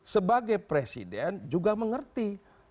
sebagai presiden juga mengerti